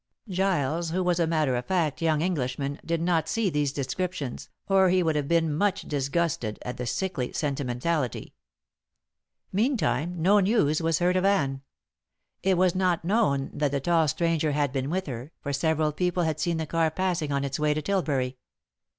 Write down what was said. Giles, who was a matter of fact young Englishman, did not see these descriptions, or he would have been much disgusted at the sickly sentimentality. Meantime no news was heard of Anne. It was not known that the tall stranger had been with her, for several people had seen the car passing on its way to Tilbury.